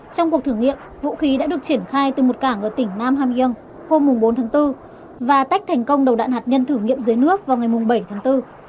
trong cuộc thử nghiệm vũ khí đã được triển khai từ một cảng ở tỉnh nam ham yung hôm bốn tháng bốn và tách thành công đầu đạn hạt nhân thử nghiệm dưới nước vào ngày bảy tháng bốn